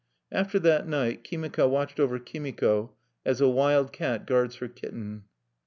After that night Kimika watched over Kimiko as a wild cat guards her kitten.